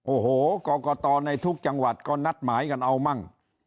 โอ้โหกรกตในทุกจังหวัดก็นัดหมายกันเอามั่ง